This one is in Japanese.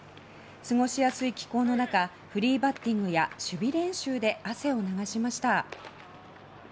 過ごしやすい気候の中フリーバッティングや守備練習で汗を流しました。